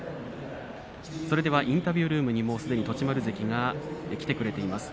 それではインタビュールームにすでに栃丸関が来てくれています。